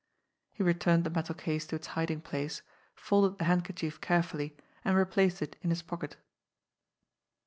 He returned the metal case to its hiding place, folded the handkerchief carefully, and replaced it in his pocket.